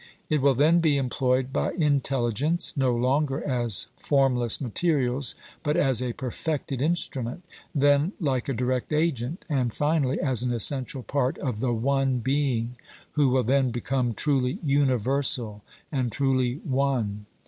It will then be employed by intelligence, no longer as formless materials but as a perfected instrument, then like a direct agent, and finally as an essential part of the One Being, who will then become truly Universal and truly One.